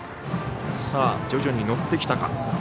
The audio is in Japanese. さあ、徐々に乗ってきたか。